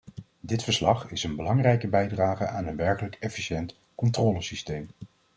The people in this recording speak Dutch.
Dit verslag is een belangrijke bijdrage aan een werkelijk efficiënt controlesysteem.